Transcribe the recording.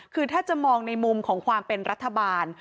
คือถ้าจะมองในมุมของความเป็นรัฐบาล